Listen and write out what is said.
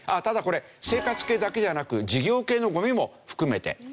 ただこれ生活系だけじゃなく事業系のゴミも含めて。